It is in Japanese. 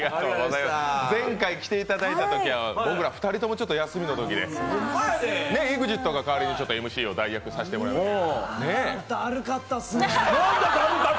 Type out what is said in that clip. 前回来ていただいたときは僕ら２人とも休みのときでＥＸＩＴが代わりにＭＣを代役していただいて。